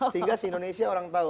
sehingga si indonesia orang tahu